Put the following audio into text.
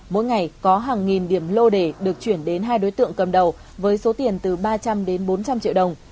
mỗi ngày có hàng nghìn điểm lô đề được chuyển đến hai đối tượng cầm đầu với số tiền từ ba trăm linh đến bốn trăm linh triệu đồng